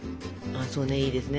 そうねいいですね